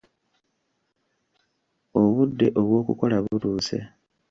Obudde obw'okukola butuuse